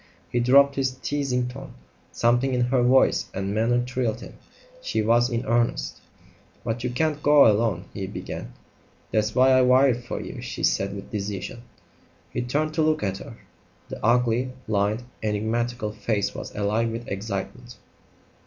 He dropped his teasing tone. Something in her voice and manner thrilled him. She was in earnest. "But you can't go alone " he began. "That's why I wired for you," she said with decision. He turned to look at her. The ugly, lined, enigmatical face was alive with excitement.